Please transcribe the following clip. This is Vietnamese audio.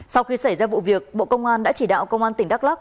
sau khi xảy ra vụ việc bộ công an đã chỉ đạo công an tỉnh đắk lắc